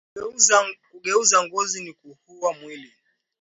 Ku geuza ngozi ni kuhuwa mwili